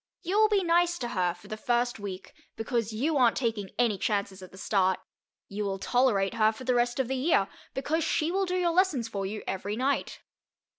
You will be nice to her for the first week, because you aren't taking any chances at the start; you will tolerate her for the rest of the year, because she will do your lessons for you every night.